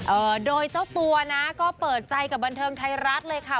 เอ่อโดยเจ้าตัวนะก็เปิดใจกับบันเทิงไทยรัฐเลยค่ะ